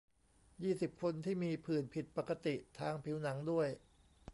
ยี่สิบ คน ที่มีผื่นผิดปกติทางผิวหนังด้วย